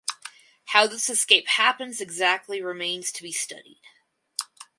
How this escape happens exactly remains to be studied.